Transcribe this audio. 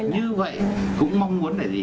như vậy cũng mong muốn để gì